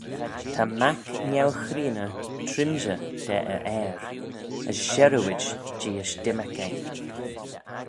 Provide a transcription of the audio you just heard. Ta mac neu-chreeney trimshey da e ayr, as sherriuid jeeish dymmyrk eh.